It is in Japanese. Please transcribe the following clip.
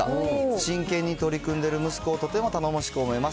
真剣に取り組んでる息子をとても頼もしく思います。